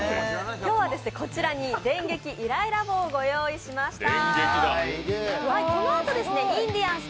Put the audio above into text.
今日は、電撃イライラ棒をご用意しました。